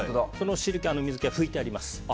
この水気は拭いてあります。